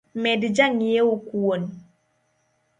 Med jang’iewo kuon